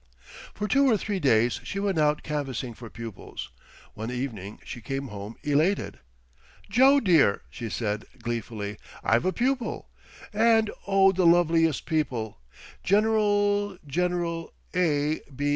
For two or three days she went out canvassing for pupils. One evening she came home elated. "Joe, dear," she said, gleefully, "I've a pupil. And, oh, the loveliest people! General—General A. B.